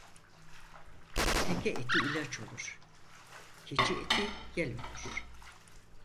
Teke eti ilaç olur, keçi eti yel olur.